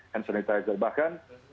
hand sanitizer bahkan